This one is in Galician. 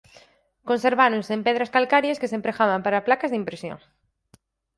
Conserváronse en pedras calcarias que se empregaban para placas de impresión.